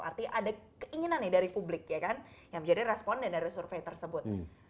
artinya ada keinginan nih dari publik ya kan yang menjadi responden dari survei tersebut